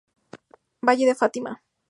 Valle de Fátima.